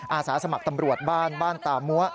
อาสาสมัครตำรวจบ้านบ้านตามัว